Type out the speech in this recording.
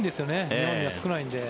日本では少ないので。